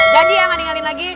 janji ya nggak tinggalin lagi